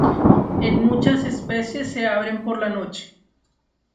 En muchas especies se abren por la noche.